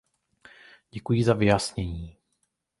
Děkuji za vyjasnění.